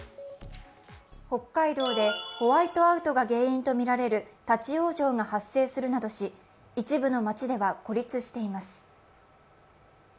北海道でホワイトアウトが原因とみられる立往生が発生するなどし一部の町では孤立しています。